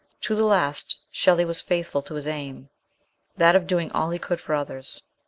To the last Shelley was faithful to his aim that of doing all he could for others.